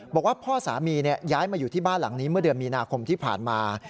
บอกว่าพ่อสามีย้ายมาอยู่ที่บ้านหลังนี้เมื่อเดือนมีนาคมที่ผ่านมา